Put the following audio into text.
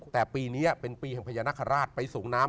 แต่ปีนี้เป็นปีแห่งพญานาคาราชไปส่งน้ำ